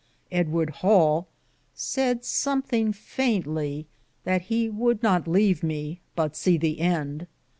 Edward Hale sayd somthinge fayntly that he would not leave me, but se the end.